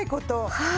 はい。